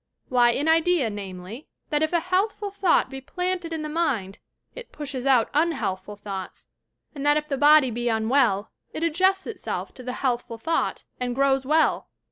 Why, an idea, namely, that if a healthful thought be planted in the mind it pushes out unhealthful thoughts; and that if the body be unwell it adjusts itself to the healthful thought and grows well.